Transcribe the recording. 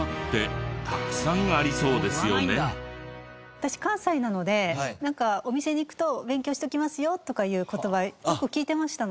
私関西なのでなんかお店に行くと「勉強しときますよ」とかいう言葉よく聞いてましたので。